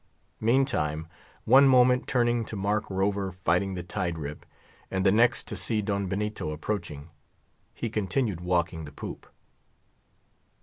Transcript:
Meantime, one moment turning to mark "Rover" fighting the tide rip, and the next to see Don Benito approaching, he continued walking the poop.